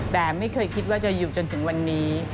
แต่ไม่เคยคิดว่าจะอยู่จนถึงวันนี้